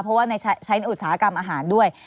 เพราะว่าใช้อุตสาหกรรมอาหารด้วย